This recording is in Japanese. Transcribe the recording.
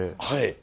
はい。